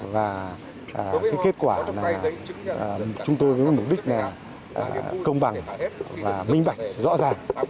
và kết quả là chúng tôi với mục đích công bằng và minh bạch rõ ràng